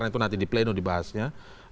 itu nanti di plenum dibahasnya